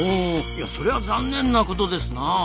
そりゃ残念なことですなあ。